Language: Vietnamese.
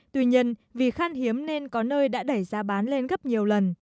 tuy nhiên vì khan hiếm nên có nơi đã đẩy giá bán lên gấp nhiều lần